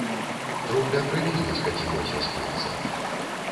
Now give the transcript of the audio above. Кропля крыві не скацілася з пальца.